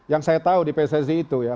yang saya tahu di pssi itu ya